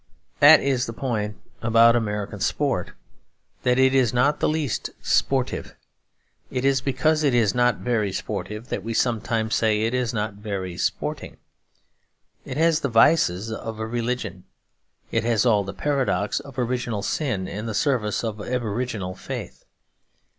That is the point about American sport; that it is not in the least sportive. It is because it is not very sportive that we sometimes say it is not very sporting. It has the vices of a religion. It has all the paradox of original sin in the service of aboriginal faith.